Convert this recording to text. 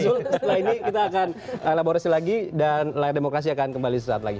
setelah ini kita akan elaborasi lagi dan layar demokrasi akan kembali sesaat lagi